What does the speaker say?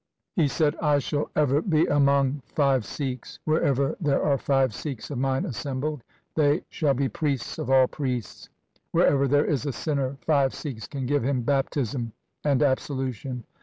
He said, ' I shall ever be among five Sikhs. Wherever there are five Sikhs of mine assembled they shall be priests of all priests. Wherever there is a sinner, five Sikhs can give him baptism and absolution.